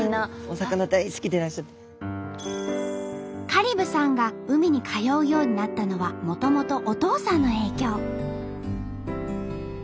香里武さんが海に通うようになったのはもともとお父さんの影響。